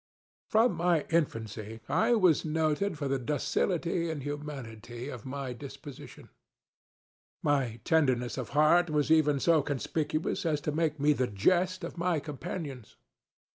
From my infancy I was noted for the docility and humanity of my disposition. My tenderness of heart was even so conspicuous as to make me the jest of my companions.